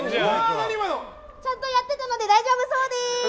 ちゃんとやってたので大丈夫そうです！